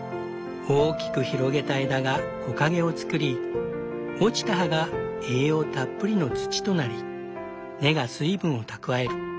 大きく広げた枝が木陰をつくり落ちた葉が栄養たっぷりの土となり根が水分を蓄える。